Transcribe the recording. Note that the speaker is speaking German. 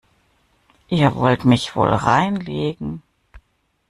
Ihr wollt mich wohl reinlegen?